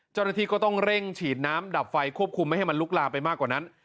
เจ้าหน้าที่ก็ต้องเร่งฉีดน้ำดับไฟควบคุมไม่ให้มันลุกลามไปมากกว่านั้น